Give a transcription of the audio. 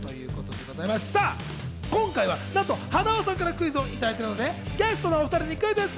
今回はなんと塙さんからクイズをいただきましたので、ゲストのお２人にクイズッス。